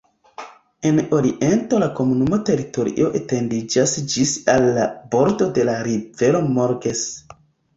En oriento la komunuma teritorio etendiĝas ĝis al la bordo de la rivero Morges.